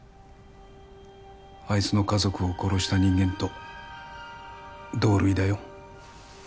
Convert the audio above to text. あいつの家族を殺した人間と同類だよ